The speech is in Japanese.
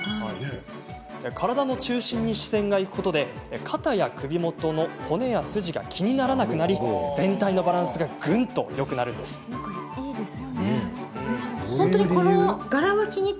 体の中心に視線がいくことで肩や首元の骨や筋が気にならなくなり全体のバランスがぐんとよくなるんです。